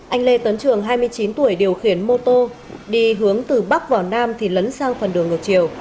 anh lê tấn trường hai mươi chín tuổi điều khiển mô tô đi hướng từ bắc vào nam thì lấn sang phần đường ngược chiều